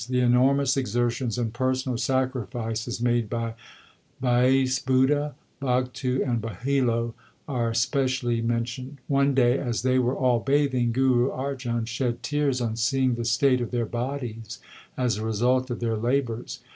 The enormous exertions and personal sacrifices made by Bhais Budha, Bhagtu, and Bahilo are specially mentioned. One day as they were all bathing, Guru Arjan shed tears on seeing the state of their bodies as the result of their labours.